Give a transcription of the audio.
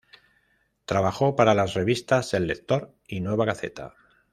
Trabajó para las revistas "El Lector" y "Nueva Gaceta".